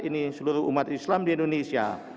ini seluruh umat islam di indonesia